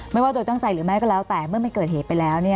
ว่าโดยตั้งใจหรือไม่ก็แล้วแต่เมื่อมันเกิดเหตุไปแล้ว